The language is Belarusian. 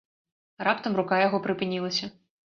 Раптам рука яго прыпынілася.